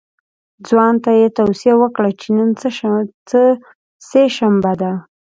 ځوان ته یې توصیه وکړه چې نن سه شنبه ده.